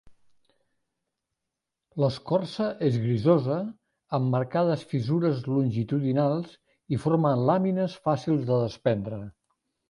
L'escorça és grisosa, amb marcades fissures longitudinals i forma làmines fàcils de despendre.